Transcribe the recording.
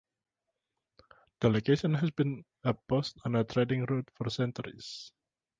The location has been a post on a trading route for centuries.